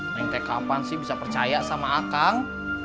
neng teh kapan sih bisa percaya sama akang